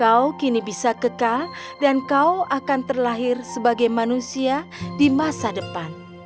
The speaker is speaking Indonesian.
kau kini bisa kekal dan kau akan terlahir sebagai manusia di masa depan